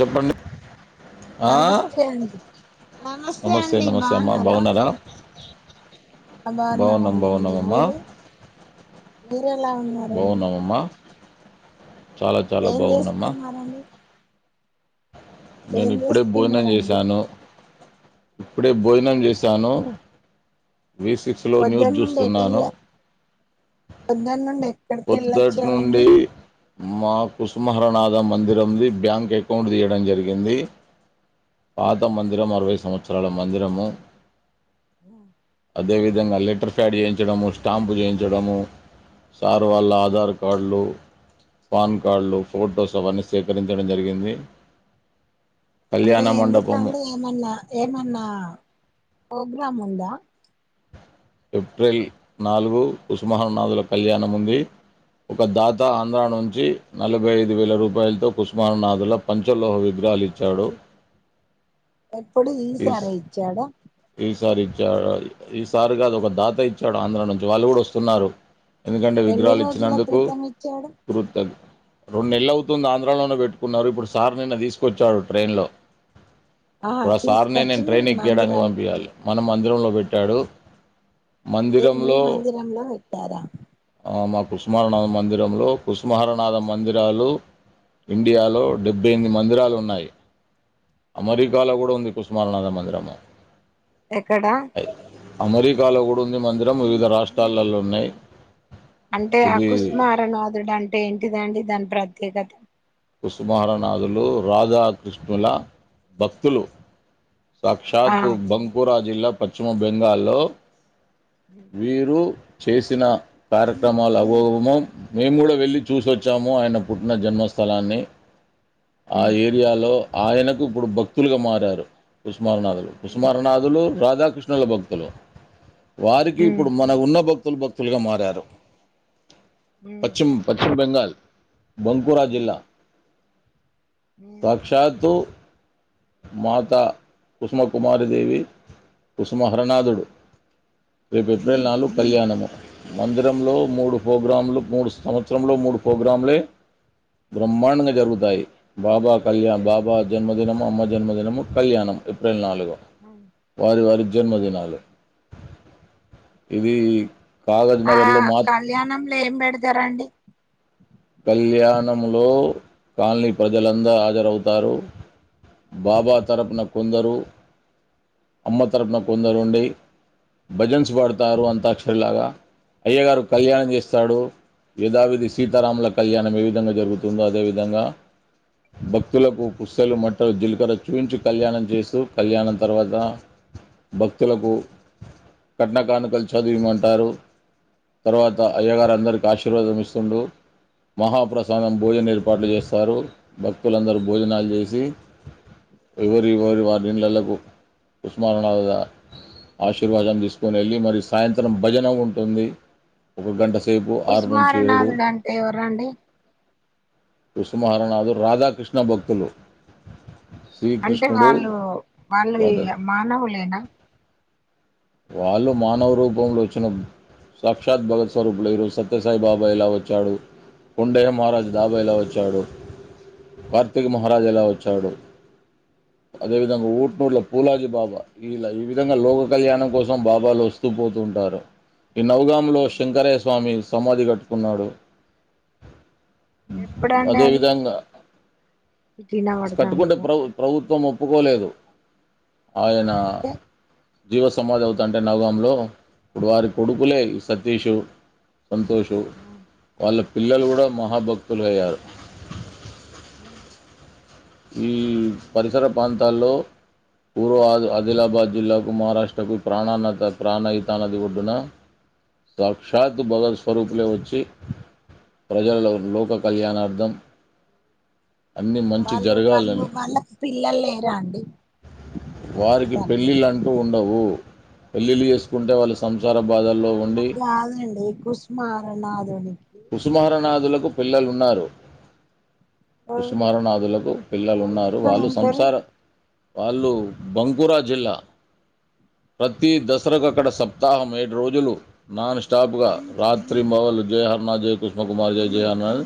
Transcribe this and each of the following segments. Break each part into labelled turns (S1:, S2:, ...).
S1: చెప్పండి ఆ
S2: నమస్తే అడి నమస్తే అండి బాగున్నారా అభార్
S1: బాగున్నాం
S2: నగరంలోండి
S1: బాగున్నామమ్మా
S2: మీరు మీరు ఎలా ఉన్నడి
S1: బాగున్నామమ్మా చాలా చాలా బాగుందమ్మా
S2: చేస్తున్నారండి
S1: నేను
S2: ఏం
S1: ఇప్పుడే భోజనం
S2: చేస్తున్నారండి
S1: చేశాను ఇప్పుడే భోజనం చేసాను విీ సిక్స్లో న్యూస్
S2: పొద్దున్న నుండి
S1: చూస్తున్నాను
S2: ఎటెళ్ళ పొద్దున్న నుండి ఎక్కడికి
S1: పొద్దుటి
S2: వెళ్ళొచ్చారండి
S1: నుండి మాకు బ జరిగింది పాత మ అవై అయిటా చేయి సారు వాళ్ళ ఆధార్ కార్డులు పాన్ కార్డులు ఫొటోస్ అవన్నీ సేకరించడం జరిగింది
S2: అంటే
S1: కళ్యాణ మండపము
S2: ఎందుకంే ఏమన్నా ఏమన్నా ప్రోగ్రామ్ ఉందా
S1: ఏప్రిల్ నాలుగు ఉస్మానాథుల కళ్యాణం ఉంది ఒక దాత ఆంధ్ర నుంచి నలభై ఐదు వేల రూపాయలతో కుసుమానాథుల పంచలోహ విగ్రహాలు ఇచ్చాడు
S2: ఎప్పుడు ఈస్ అరయిచ్చాడం
S1: విసించ ఈ సార్గాద ఒక దాత ఇచ్చాడు ఆంధ్ర నుంచి వాళ్ళు కూడా వస్తున్నారు ఎందుకంటే
S2: ఎన్ని
S1: విగ్రహాలు
S2: రోజుల
S1: ఇచ్చినందుకు
S2: క్రితం ఇచ్చాడు
S1: ప త రెండు నెల్లు అవుతుంది ఆంధ్రాలోనే పెట్టుకున్నారు ఇప్పుడు సార్ నిన్న తీసుకొచ్చారు ట్రైన్ లో
S2: ఆహా
S1: ఇప్పుడు ఆ సార్నే
S2: తీసుకొచ్చి
S1: నేను
S2: మీ
S1: ట్రైన్ ఎక్కియడానికి
S2: మందిరానికి
S1: పంపింయాలి
S2: ఇచ్చారు
S1: మన మందిరంలో పె ట్టాడు
S2: అంటే మీ మందిరంలో వెట్టారా
S1: కుసుమహరనాథ మందిరంలో కుసుమహరనాథ మందిరాలు ఇండియాలో డెబ్బై ఎనిమిది మందిరా లు ఉన్నాయి అమరికాలో కూడా ఉంది కుసుమహరనాథ మందిరము
S2: ఎక్కడా
S1: అమెరిక్ కాలో కూడా ఉంది మందిరం వివిధ రాష్ట్రాలలో ఉన్నాయి
S2: అంటే ఆ
S1: ఇది
S2: కుసుమహరనాదుడు అంటే ఏంటిదండి దాని ప్ర త్యేకత
S1: కుసుమహరనాథులు రాధాక్రిష్ణుల భక్తులు
S2: ఆ
S1: సాక్షాత్ బంకురా జిల్లా పశ్చిమ బెంగాల్ లో
S2: ఉమ్,
S1: వీరు చేసిన కార్యక్రమాలు అమోఘము మేము కూడా వెళ్ళి చూసొచ్చాము ఆయన పుట్టిన జన్మ స్థలాన్ని ఆ ఏరియాలో ఆయనకు ఇప్పుడు భక్తులుగా మారారు కుసు మారనాథులు
S2: ఉమ్,
S1: కుుసుమహరనాథులు రాధా క్రిష్ణుల భక్తులు వారికి
S2: ఉమ్,
S1: ఇప్పుడు మన ఉన్న భ క్తులు భక్తులుగా మారారు
S2: ఉమ్,
S1: పశ్చిమ్ పశ్చిమ బెంగాల్ బంకురా
S2: ఉమ్,
S1: జిల్లా
S2: ఉమ్,
S1: సాక్షాతు మాతా కుసుమకుమారి దేవి కుసుమహరనాథుడు రేపు ఏప్రిల్
S2: ఉమ్,
S1: నాలుగు కల్యాణము మందిరంలో మూడు ప్రోగ్రాములు మూడు సంవత్సరంలో మూడు ప్రోగ్రాములే బ్రహ్మాండంగా జరుగుతాయి. బాబా కళ్యాణ్, బాబా జన్మదినము, అమ్మ జన్మదినము కళ్యాణం ఏప్రిల్ నాలుగు
S2: ఉమ్,
S1: వారి వారి
S2: ఉమ్.
S1: జన్మదినాలు ఇది కాగద్
S2: ఆ
S1: నగర్ లో మాత్
S2: కళ్యాణంలో ఏం పెడతరండి
S1: కళ్యాణంలో కాలనీ ప్రజలంద హాజరవుతారు బాబా తరపున కొందరు అమ్మ తరపున కొందరు ఉండి భజన్స్ పాడుతారు అంతాక్షరి లాగా అయ్య గారు కళ్యాణం చేస్తాడు యధావిధి సీతారాముల కళ్యాణం ఏ విధంగా జరుగుతుందో అదేవిధంగా భక్తులకు పుసేలు మేట్టేలు జీలకర్ర చూపించి కళ్యాణం చేస్తూ కళ్యాణం తర్వాత భక్తులకు కట్నకానుకలు చదివిమంటారు తర్వాత అయ్య గారు అందరికీ ఆశీర్వాదం ఇస్తుండు మహాప్రసాదం భోజనం ఏర్పాట్లు చేస్తారు భక్తులందరూ భోజనాలు చేసి ఎవరి ఎవరి వారి ఇండ్లలకు ఉస్మానునాద ఆశీర్వాదం తీసుకని వెళ్ళి మరి సాయంత్రం భజన ఉంటుంది ఒక గంట సే
S2: ఉస్మానునాదుడు అంటే ఎవరండి
S1: విశ్వ మహా నాధుడు రాధాకృష్ణ భక్తులు
S2: అంటే
S1: శ్రీకృష్ణుడు
S2: వాళ్ళు వాళ్ళది
S1: రాధ
S2: మానవులేనా
S1: వాళ్ళు మానవ రూపంలో వచ్చిన సాక్షాత్ భగత్ స్వరూపులు ఈరోజు సత్యసాయి బాబ ఎలా వచ్చాడు కొండేయ మహారాజు దాబ ఎలా వచ్చాడు కార్తీక మహారాజు ఎలా వచ్చాడు అదేవిధంగా
S2: ఉమ్,
S1: ఊట్నూర్లో పూలాజీ బాబా ఇలా ఈ విధంగా లోక కళ్యాణం కోసం బాబాలు వస్తూ పోతుంటారు ఈ నౌగాములో
S2: ఉమ్.
S1: శంకరయ్య స్వామి సమాధి కట్టుకున్నాడు
S2: ఎప్పుడండి
S1: అదే
S2: అది
S1: విధంగా
S2: ఇటు వినబడతాంది
S1: కట్టుకుంటే
S2: పో
S1: ప్ర ప్రభుత్వం ఒప్పుకోలేదు
S2: ఆ,
S1: ఆయన
S2: అయితే
S1: జీవస్ సమాధి అవుతా ఉంటే నవగాంలో అప్పుడు వారి కొడుకులే సతీషు సంతోషు
S2: ఉమ్,
S1: వాళ్ళ పిల్లలు కూడా మహాభక్తులు అయ్యారు
S2: ఉమ్
S1: ఈ పరిసర ప్రాంతాల్లో పూర్వ ఆదిలాబాద్, జిల్లాకు మహారాష్ట్రకు ప్రాణాన ప్రాణహితా నది ఒడ్డున సాక్షాత్ భగవత్ స్వరూపులే వచ్చి ప్రజల లోక కళ్యాణార్దం అన్ని మంచి
S2: వాళ్ళు వాళ్ళు
S1: జరగాలని
S2: వాళ్ళకు పిల్లలు లేరా అండి మమ్మీ
S1: వారికి
S2: తండ్రి
S1: పెళ్ళిళ్ళు అంటూ ఉండవు పెళ్ళిళ్ళు చేసుకుంటే వాళ్ళు సం సంసార బాదల్లో ఉండి
S2: కుస్మరణాధుని
S1: కుసుమహరనాథులకు పిల్లలు ఉన్నారు కుసుమరనాథులకు పిల్లలున్నారు
S2: ఎక్కడ
S1: వాళ్ళు
S2: ఉంటారు
S1: సంసార వాళ్ళు బంకురా జిల్లా ప్రతి ప్రతి దసరాకు అక్కడ సప్తాహం ఏ రోజులు నాన్ స్టాప్ గా రాత్రి బవలు జయహర్ మజైక్ కృష్ణ కుమారి జయ జయానంద్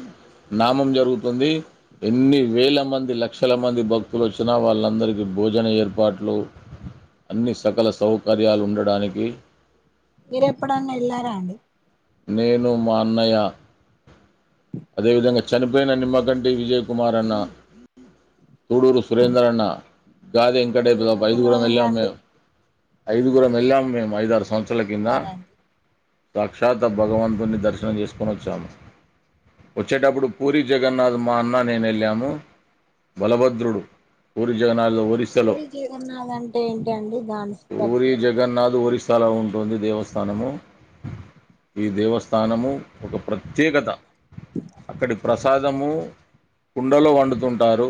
S1: నామం జరుగుతుంది ఎన్ని వేల మంది లక్షల మంది భక్తులు వచ్చినా వాళ్ళందరికీ భోజన ఏర్పాట్లు అన్ని సకల సౌకర్యాలు ఉండడానికి
S2: మీరు ఎప్పుడన్న ఎళ్లారా అండి
S1: నేను మా అన్నయ్య అదేవిధంగా చనిపోయిన నిమ్మకంటి విజయ్ కుమార్ అన్న తూడూరు సురేంద్రన్న గాదే
S2: ఎన్ని
S1: వెంకడేపు
S2: రోజులు
S1: ఐదుగురం వెళ్ళాం
S2: అయిందండి
S1: మేము ఐదుగురం వేళ్ళాం మేము
S2: ఎన్ని
S1: ఐదారు
S2: రోజులు
S1: సంవత్సరల కింద.
S2: వెళ్ళారండి
S1: సాక్షాత్ అ భగవంతున్ని దర్శనం జేస్కొనొచ్చాము. వచ్చేటప్పుడు పూరి జగన్నాథ్ మా అన్న నేనెళ్ళాము బలభద్రుడు. పూరి
S2: ఓ
S1: జగన్నాథ్ ఒరిస్సాలో
S2: పూరి జిగన్నాదంటే ఏంటండి దాని ప్రత్యేకత.
S1: చాలా ఉంటుంది దేవస్థానము ఈ దేవస్థానము ఒక ప్రత్యేకత. అక్కడి ప్రసాదము కుండలో వండుతుంటారు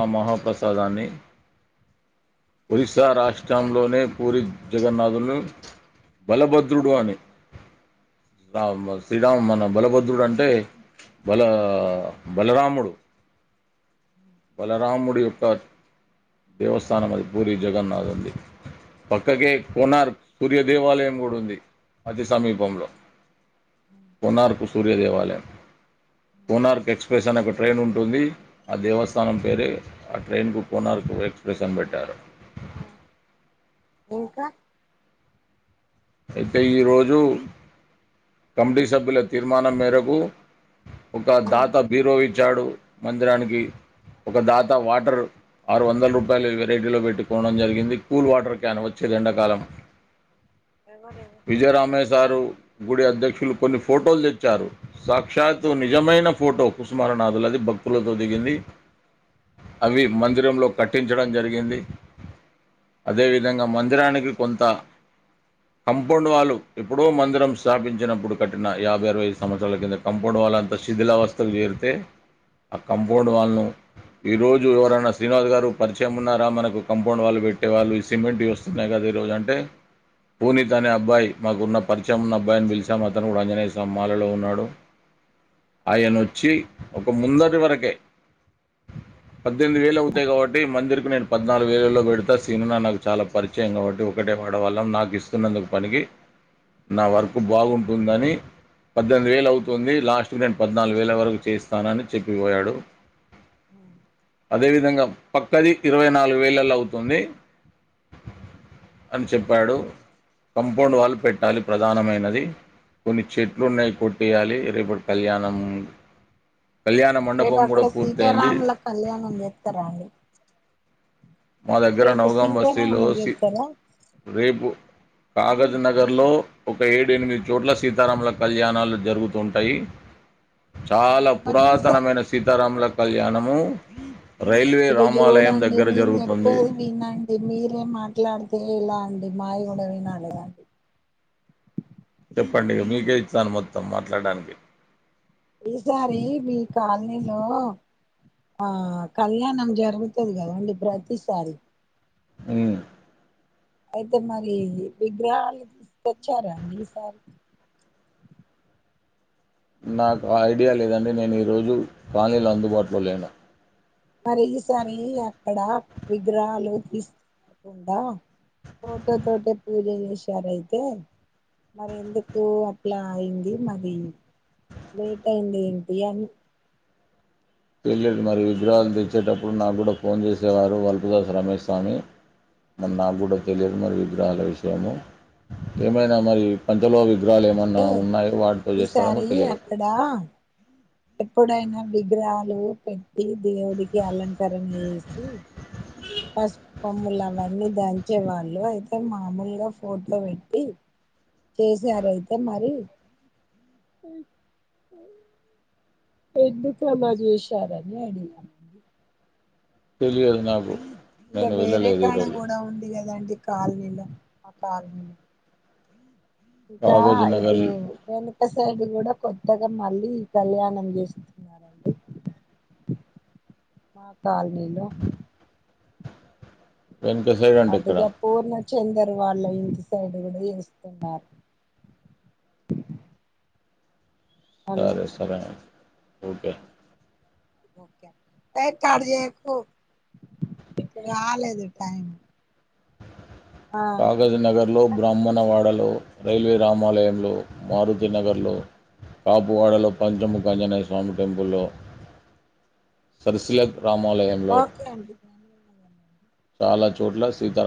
S1: ఆ మహాప్రసాదాన్ని. ఒరిస్సా రాష్ ష్ట్రంలోనే పూరి జగన్నాథుల్ను భలభద్రుడు అని రా మ్ శ్రీరామ్ మన బలభద్రుడు అం టే బలా బలరాముడు. బలరాముడి [unintelligible] దేవస్థానమది పూరి జగన్నాథున్ది పక్కకే కోనార్క్ సూర్యదేవాలయం గూడుంది అతి సమీపంలో కోనార్కు సూర్యదేవాలయం. కోనార్క్ ఎక్స్ప్రెస్ అనె ఒక ట్రైనుంటుంది ఆ దేవస్థానం పేరే. ఆ ట్రైన్కు కోనార్కు ఎక్స్ప్రెస్ అని బె ట్యాడు
S2: ఆ ఇంకా
S1: యెక్త ఈ రోజు కమ్టీ సభ్యుల తీర్ మన మెరగు ఒక ధాత బీరోవిడ్ చాడు మందిరానికి ఒక దాత వాట్ర్ ఆరు వందల్ రూపాయ్లు వెరైటీలో పెట్టుకోనం జరిగింది కూల్ వాట్ర్ క్యాన్ వచ్చేదెండకాలం.
S2: ఎవరెవరు
S1: విజయ్ రామయ్య సారు. గుడి అధ్యక్షులు కొన్ని ఫోటోల్ దె చ్చారు సాక్షాత్తు నిజమైన ఫోటో కుసుమారనాథులది భక్తులతో దిగింది అవి మందిరంలో కట్టించడం జరిగింది అదే విధంగ మందిరానికి కొంత. కంపోండు వాలు ఎప్పుడో మందిరం స్థాపించినప్పుడు కట్టిన యాభై అరవై సంవత్సరాల కింద కంపోండ్ వాలంత శిథిలావస్థల్ జేరితే ఆ కంపోండ్ వాల్ను ఈరోజు ఎవరైనా శ్రీనివాస్ గారు పరిచయం ఉన్నారా మనకు కంపోండ్ వాల్ పెట్టే వాళ్ళు ఈ సిమెంట్వి వొస్తున్నాయ్ గదీ రోజంటే. పూనీత్ అనే అబ్బాయి మాకున్న పరిచయమున్న అబ్బాయ్ని పిలిచాము అతను గూడ ఆంజనేయసామి మాలలో ఉన్నాడు. ఆయనొచ్చి. ఒక ముందటి వరకే పద్దెనిమిది వేలు అవుతాయ్ కావట్టి మందిర్కు నేను పద్నాలుగు వేలల్లో గెడుతా సీనునా నాకు చాలా పరిచయం కావట్టి ఒకటే వాడవాల్లం నాకి. తున్నందుకు పనికి నా వర్క్ బాగుంటుందని పద్దెనిమిది వేలవుతుంది లాస్ట్కి నేను పద్నాలుగు వేల వరకు చేయిస్తానని చెప్పిపోయాడు. దేవిధంగా పక్కది ఇరవై నాలుగు వేలల్లవుతుంది. మ్ చెప్పాడు. కంపౌండ్ వాల్ పెట్టాలి ప్రధానమైనది కొన్ని చెట్లు ఉన్నయి కొట్టేయాలి రేపటి కళ్యాణం కళ్యాణ
S2: రేపు
S1: మండపం
S2: అక్కడ
S1: కూడా పూర్తయింది
S2: సీతారాముల కళ్యాణం చెత్తరా అండి
S1: మా దగ్గర
S2: రేపు
S1: నవగాం బస్తీలో
S2: సీతారాములు
S1: సి
S2: చేస్తారా
S1: రేపు కాగజ్ నగర్లో ఒక ఏడు ఎనిమిది చోట్ల సీతారాముల కళ్యాణాలు జరుగుతుంటయి చాలా
S2: మరి ఈసా
S1: పురాతనమైన సీతారాముల కళ్యాణము రైల్వే రామాలయం దగ్గర జరుగు
S2: పోయి వినండి మీరే మాట్లాడుతే ఎలా అండి మాయి కూడా వినాలే కండి
S1: చెప్పండి ఇగా మీకే ఇచ్చాను మొత్తం మాట్లాడడానికి
S2: ఈసారి మీ కాల్నిలో ఆ కళ్యాణం జరుగుతది కదండి ప్రతిసారి
S1: ఉ
S2: అయితే మరి విగ్రహాలు తెచ్చారాండి ఈసారి
S1: నాకు ఐడియా లేదండి నేను ఈరోజు కాలనీలో అందుబాటులో లేను
S2: మరి ఈ సారి అక్కడ విగ్రహాలు కాకుండా ఫోటో తోటే పూజ చేశారయితే మరి ఎందుకు అట్లా అయింది మరి లేట్ అయింది ఏంటి అని
S1: తెలియదు మరి విగ్రహాలు తెచ్చేటప్పుడు నాకు కూడా ఫోన్ చేసేవారు వల్పుదాస్ రమేష్ స్వామి మరి నాకు కూడా తెలియదు మరి విగ్రహాల విషయము ఏమైనా మరి పంచలోహ విగ్రహాలు ఏమన్నా
S2: అయితే
S1: ఉన్నాయో వాటితో చేస్తారేమో తెలియదు
S2: ఇప్పుడైనా విగ్రహాలు పెట్టి దేవుడికి అలంకరణ చేస్ చి పసుపుకొమ్మలు అవన్నీ దంచే వాళ్ళు అయితే మామూలుగా ఫోటో పెట్టి చేసారయితే మరి ఎందుకల జేశారని అడిగా
S1: తెలియదు నాకు
S2: ఇంకా
S1: నేను
S2: వేరే
S1: వెళ్ళలేదు
S2: కాడ
S1: ఈరోజు
S2: కూడా ఉంది కదాండి కాల్నిల మా కాల్ని ఇకా
S1: కాగజ్
S2: ఇది
S1: నగర్
S2: నేను మా సైడ్ కూడా కొత్తగా మళ్ళీ కళ్యాణం చేస్తున్నారండి మా కాలనీలో
S1: వెనుక సైడ్ అంటే ఇక్కడ
S2: అడిగో పూర్ణ చెందర్ వాళ్ళ ఇంటి సైడ్ గుడా చేస్తున్నారు హలో
S1: సరే సరే అండి ఓకే
S2: ఒకే ఏ కడు చేయకు ఇంక కాలేదు టైం ఆ
S1: కాగజ్ నగర్ లో బ్రాహ్మణ వాడల రైల్వే రామాలయంలో మారుతి నగర్ లో కాపువాడలో పంచముఖ ఆంజనేయ స్వామి టెంపుల్ లో
S2: ఓకే అండి ధన్యవాదాం అండి
S1: చాలా చోట్ల సీతారా